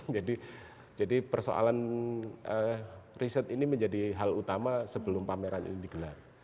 jadi persoalan riset ini menjadi hal utama sebelum pameran ini digelar